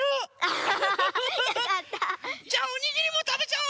ハハハハハ。じゃあおにぎりもたべちゃおう！